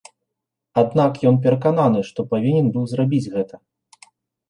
Аднак ён перакананы, што павінен быў зрабіць гэта.